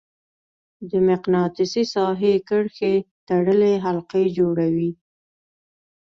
د مقناطیسي ساحې کرښې تړلې حلقې جوړوي.